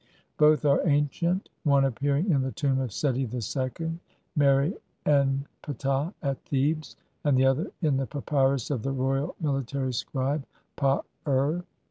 Both are ancient, one appearing in the tomb of Seti II Meri en Ptah at Thebes, and the other in the papyrus of the royal military scribe Pa ur (Einleitung, p.